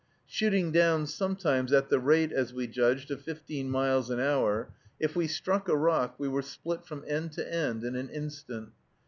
Shooting down sometimes at the rate, as we judged, of fifteen miles an hour, if we struck a rock we were split from end to end in an instant.